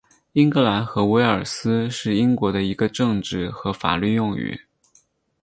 英格兰和威尔斯是英国的一个政治和法律用语。